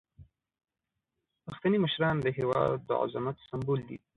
پښتني مشران د هیواد د عظمت سمبول دي.